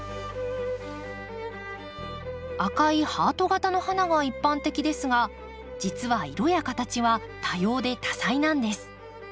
赤いハート形の花が一般的ですが実は色や形は多様で多彩なんです。